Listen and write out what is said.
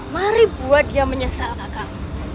mari buat dia menyesal kakak